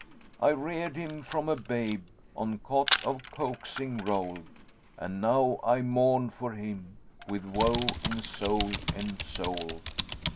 I reared him from a babe * On cot of coaxing roll'd; And now I mourn for him * With woe in soul ensoul'd."